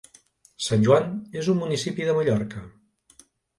Sant Joan és un municipi de Mallorca.